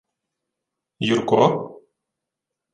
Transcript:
— Юрко?